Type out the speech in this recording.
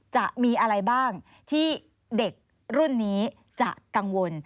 จะมีอะไรบ้างที่เด็กรุ่นนี้จะกังวล